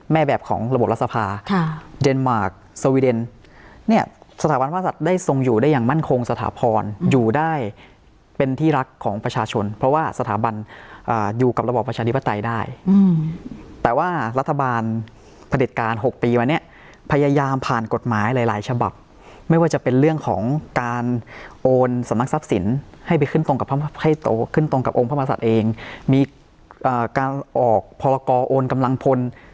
แม่แบบของระบบรัษภาษภาษภาษภาษภาษภาษภาษภาษภาษภาษภาษภาษภาษภาษภาษภาษภาษภาษภาษภาษภาษภาษภาษภาษภาษภาษภาษภาษภาษภาษภาษภาษภาษภาษภาษภาษภาษภาษภาษภาษภาษ